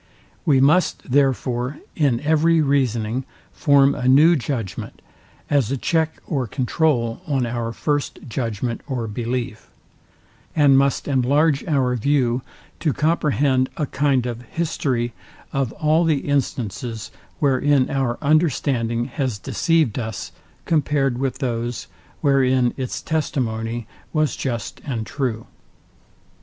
We must, therefore, in every reasoning form a new judgment, as a check or controul on our first judgment or belief; and must enlarge our view to comprehend a kind of history of all the instances, wherein our understanding has deceived us, compared with those, wherein its testimony was just and true.